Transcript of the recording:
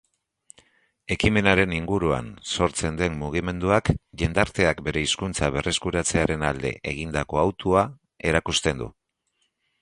Ekimenaren inguruan sortzen den mugimenduak jendarteak bere hizkuntza berreskuratzearen alde egindako hautua erakusten du.